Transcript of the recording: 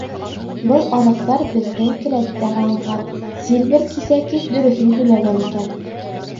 Был аҙыҡтар беҙҙең келәттән алынған, Сильвер кисә кис дөрөҫөн һөйләгән икән.